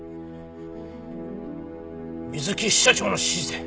水木支社長の指示で。